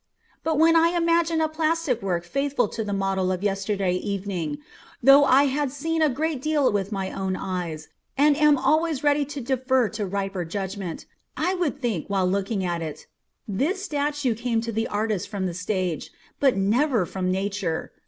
But when I imagine a plastic work faithful to the model of yesterday evening though I have seen a great deal with my own eyes, and am always ready to defer to riper judgment I would think, while looking at it: This statue came to the artist from the stage, but never from Nature.